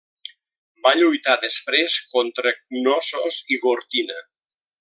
Va lluitar després contra Cnossos i Gortina.